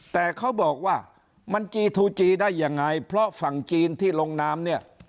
แต่เขาบอกว่ามันจีทูจีได้ยังไงเพราะฝั่งจีนที่ลงน้ำเนี่ย